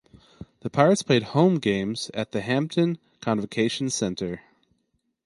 The Pirates played home games at the Hampton Convocation Center.